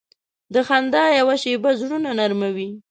د خندا یوه شیبه زړونه نرمه وي.